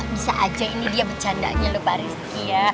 bisa aja ini dia bercandanya lho pak rizky ya